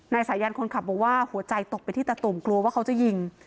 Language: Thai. สายันคนขับบอกว่าหัวใจตกไปที่ตะตุ่มกลัวว่าเขาจะยิง